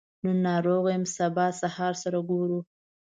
نن ناروغه يم سبا سهار سره ګورو